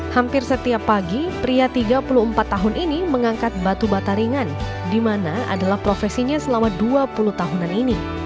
hampir setiap pagi pria tiga puluh empat tahun ini mengangkat batu bataringan di mana adalah profesinya selama dua puluh tahunan ini